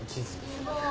すごい。